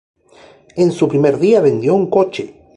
En su primer día vendió un coche.